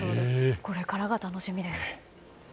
これからが楽しみです。